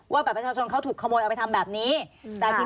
อ่าค่ะว่าประชาชนเขาถูกขโมยเอาไปทำแบบนี้อืมแต่ที